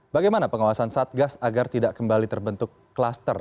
bagaimana pengawasan satgas agar tidak kembali terbentuk kluster